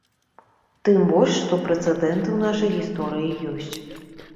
Тым больш, што прэцэдэнты ў нашай гісторыі ёсць.